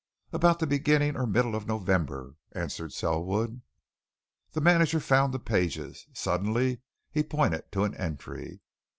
"About the beginning or middle of November," answered Selwood. The manager found the pages: suddenly he pointed to an entry.